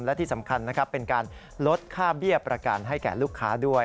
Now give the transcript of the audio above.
และที่สำคัญนะครับเป็นการลดค่าเบี้ยประกันให้แก่ลูกค้าด้วย